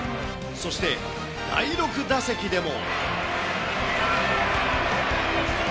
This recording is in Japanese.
そして第６打席でも。